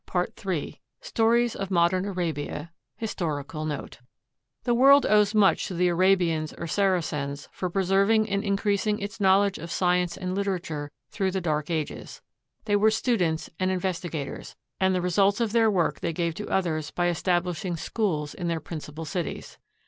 526 Ill STORIES OF MODERN ARABIA HISTORICAL NOTE The world owes much to the Arabians or Saracens for pre serving and increasing its knowledge of science and literature through the Dark Ages. They were students and investi gators, and the results of their work they gave to others by establishing schools in their principal cities.